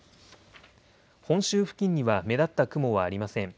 本州付近には目立った雲はありません。